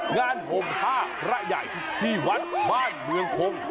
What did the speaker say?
งานโหมท่าร่าใหญ่ที่วันบ้านเมืองโคม